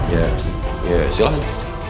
ya ya silahkan